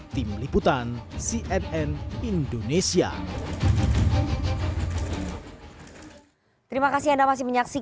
tim liputan cnn indonesia